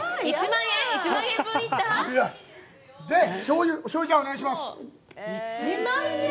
１万円よ！